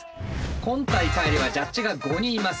今大会ではジャッジが５人います。